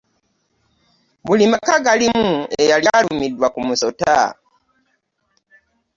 Buli maka galimu eyali alumiddwa ku musota.